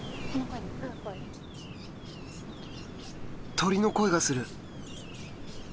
鳥の声がする。